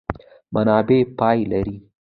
منابع پای لري.